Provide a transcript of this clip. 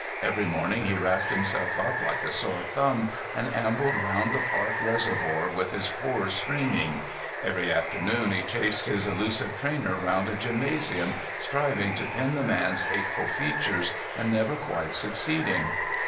Every morning he wrapped himself up like a sore thumb and ambled round the Park reservoir with his pores streaming; every afternoon he chased his elusive trainer round a gymnasium, striving to pin the man's hateful features, and never quite succeeding.